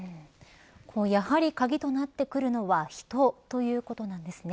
やはり鍵となってくるのは人ということなんですね。